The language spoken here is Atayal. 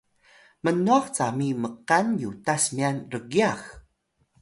mnwah cami mkal yutas myan rgyax